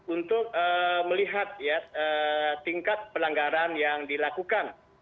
untuk melihat tingkat pelanggaran yang dilakukan